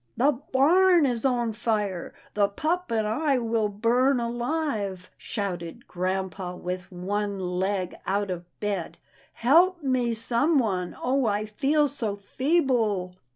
" The barn is on fire — the pup and I will burn alive," shouted grampa with one leg out of bed —" help me, someone ! Oh ! I feel so feeble."